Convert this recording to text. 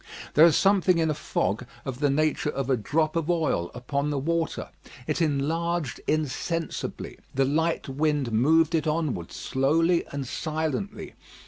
There is something in a fog of the nature of a drop of oil upon the water. It enlarged insensibly. The light wind moved it onward slowly and silently.